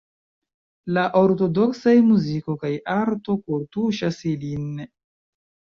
La ortodoksaj muziko kaj arto kortuŝas ilin.